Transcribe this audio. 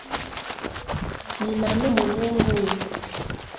Nyina n'umuhungu we